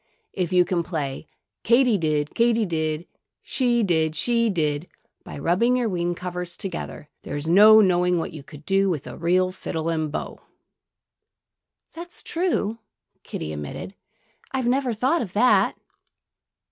"If you can play Katy did, Katy did; she did, she did, by rubbing your wing covers together, there's no knowing what you could do with a real fiddle and bow." "That's true," Kiddie admitted. "I never thought of that."